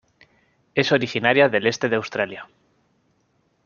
Es originaria del este de Australia.